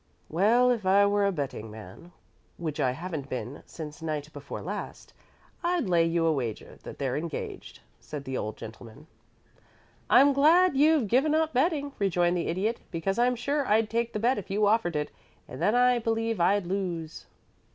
"Well, if I were a betting man, which I haven't been since night before last, I'd lay you a wager that they're engaged," said the old gentleman. "I'm glad you've given up betting," rejoined the Idiot, "because I'm sure I'd take the bet if you offered it and then I believe I'd lose."